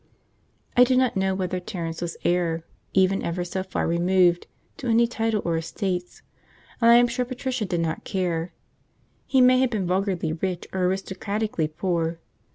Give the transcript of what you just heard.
I do not know whether Terence was heir, even ever so far removed, to any title or estates, and I am sure Patricia did not care: he may have been vulgarly rich or aristocratically poor.